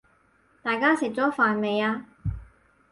大家食咗飯未呀？